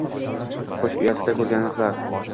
«Qush uyasinda ko’rganin qiladur»